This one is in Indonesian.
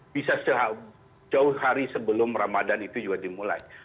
bisa sejauh hari sebelum ramadan itu juga dimulai